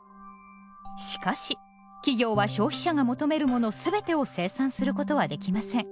しかし企業は消費者が求めるもの全てを生産することはできません。